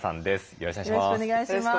よろしくお願いします。